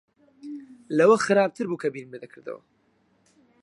لەوە خراپتر بوو کە بیرم لێ دەکردەوە.